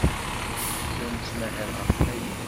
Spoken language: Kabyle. La nettmahal ɣef waya.